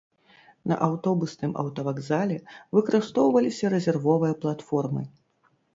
На аўтобусным аўтавакзале выкарыстоўваліся рэзервовыя платформы.